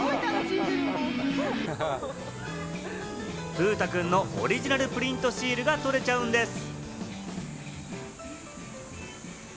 風太くんのオリジナルプリントシールが撮れちゃうんです。